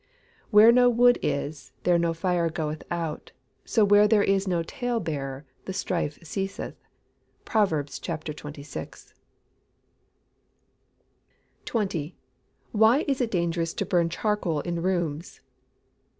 [Verse: "Where no wood is, there the fire goeth out: so where there is no tale bearer, the strife ceaseth." PROVERBS XXVI.] 20. _Why is it dangerous to burn charcoal in rooms?